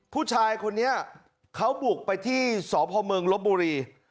ผู้ชายคนนี้เขาบุกไปที่สพมลบบุรี